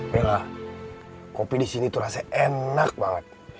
bela kopi di sini itu rasanya enak banget